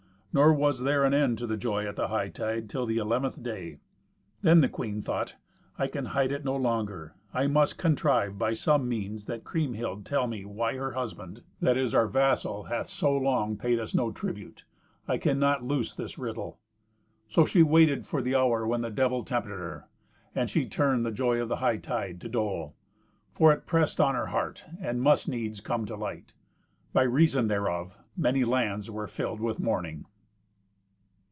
Nor was there an end of joy at the hightide till the eleventh day. Then the queen thought, "I can hide it no longer. I must contrive by some means that Kriemhild tell me why her husband, that is our vassal, hath so long paid us no tribute. I cannot loose this riddle." So she waited for the hour when the Devil tempted her, and she turned the joy of the hightide to dole. For it pressed on her heart, and must needs come to light. By reason thereof many lands were filled with mourning.